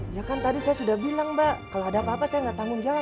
ya kan tadi saya sudah bilang mbak kalau ada apa apa saya nggak tanggung jawab